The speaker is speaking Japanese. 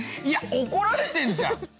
いや怒られてんじゃん！